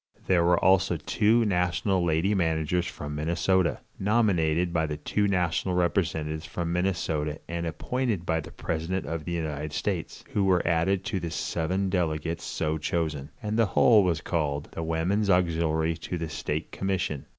There were also two national lady managers from Minnesota, nominated by the two national representatives from Minnesota and appointed by the president of the United States, who were added to the seven delegates so chosen, and the whole was called "The Woman's Auxiliary to the State Commission."